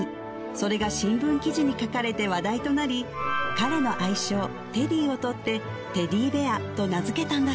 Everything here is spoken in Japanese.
それが新聞記事に書かれて話題となり彼の愛称テディをとってテディベアと名付けたんだ